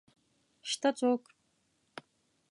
شته څوک؟